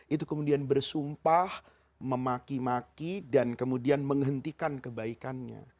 itu kemudian bersumpah memaki maki dan kemudian menghentikan kebaikannya